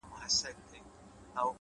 نیک عمل تل اغېز پرېږدي.!